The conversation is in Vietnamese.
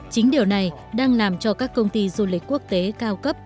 chính điều này đang làm cho các công ty du lịch quốc tế cao cấp